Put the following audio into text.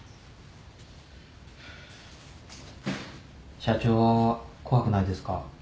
社長は怖くないですか？